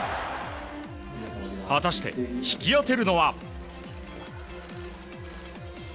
果たして、引き当てるのは。